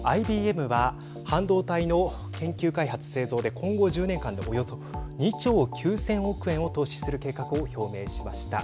ＩＢＭは半導体の研究開発製造で今後１０年間でおよそ２兆９０００億円を投資する計画を表明しました。